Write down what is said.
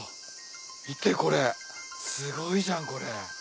見てこれすごいじゃんこれ。